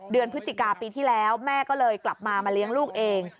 พฤศจิกาปีที่แล้วแม่ก็เลยกลับมามาเลี้ยงลูกเอง